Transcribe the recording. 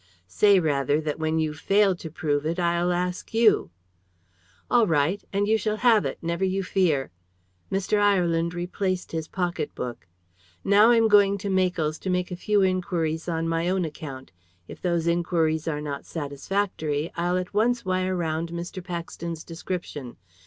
"Say, rather, that when you've failed to prove it, I'll ask you." "All right. And you shall have it, never you fear." Mr. Ireland replaced his pocketbook. "Now I'm going to Makell's to make a few inquiries on my own account. If those inquiries are not satisfactory, I'll at once wire round Mr. Paxton's description.